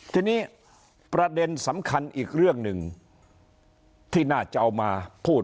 ทีนี้ประเด็นสำคัญอีกเรื่องหนึ่งที่น่าจะเอามาพูด